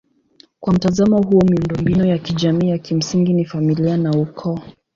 Kwa mtazamo huo miundombinu ya kijamii ya kimsingi ni familia na ukoo.